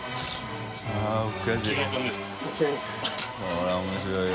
これは面白いよ。